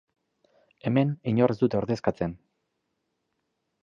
Hemen inor ez dute ordezkatzen.